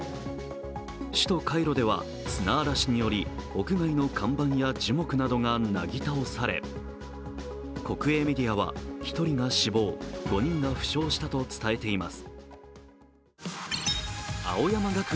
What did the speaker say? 首都カイロでは砂嵐により屋外の看板や樹木などがなぎ倒され国営メディアは１人が死亡５人が負傷したと伝えています。